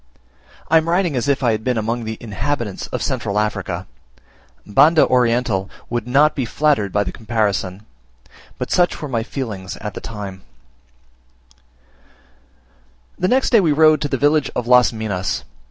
I am writing as if I had been among the inhabitants of central Africa: Banda Oriental would not be flattered by the comparison; but such were my feelings at the time. The next day we rode to the village of Las Minas.